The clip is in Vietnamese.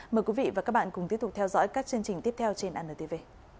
mời quý vị và các bạn cùng tiếp tục theo dõi các chương trình tiếp theo trên anntv